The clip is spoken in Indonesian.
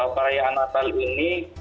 perayaan natal ini